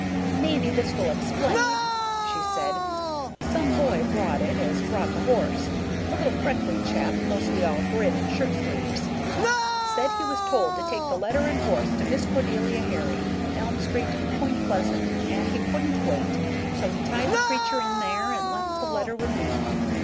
"Maybe this will explain," she said. "Same boy brought it as brought the horse a little freckly chap mostly all grin and shirtsleeves. Said he was told to take the letter and horse to Miss Cordelia Herry, Elm Street, Point Pleasant, and he couldn't wait. So he tied the creature in there and left the letter with me.